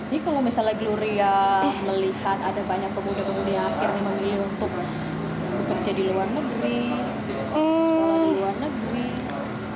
jadi kalau misalnya gloria melihat ada banyak pemuda pemuda yang akhirnya memilih untuk bekerja di luar negeri sekolah di luar negeri